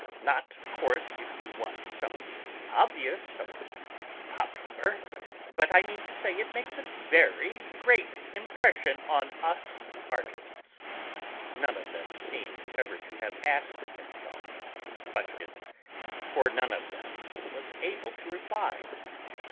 Not, of course, if you want something 'obvious,' something 'popular,' but, I mean to say, it makes a very great impression on us artists."), none of them seemed ever to have asked himself these questions, for none of them was able to reply.